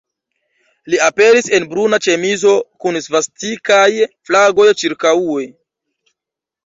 Li aperis en bruna ĉemizo, kun svastikaj flagoj ĉirkaŭe.